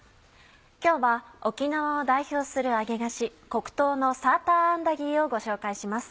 今日は沖縄を代表する揚げ菓子「黒糖のサーターアンダギー」をご紹介します。